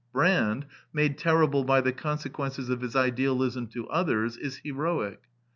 Brand, made terrible by the consequences of bis idealism to others, is heroic.